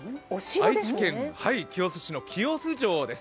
愛知県清須市の清洲城です。